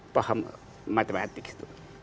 paham matematik itu